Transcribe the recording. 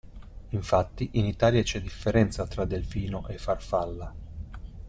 Infatti, in Italia c'è differenza tra delfino e farfalla.